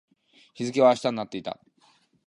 日付は明日になっていた